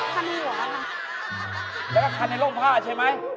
แล้วก็คันได้ล่มพลาดใช่ไหม